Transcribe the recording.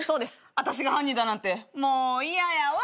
あたしが犯人だなんて。も嫌やわ。